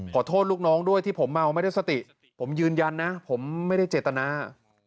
ขอโทษลูกน้องด้วยที่ผมเมาไม่ได้สติผมยืนยันนะผมไม่ได้เจตนา